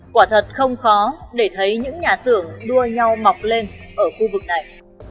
quả thật không khó để thấy những nhà xưởng đua nhau mọc lên ở khu vực này